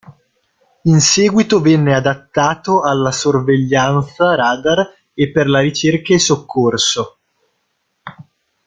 In seguito venne adattato alla sorveglianza radar e per la ricerca e soccorso.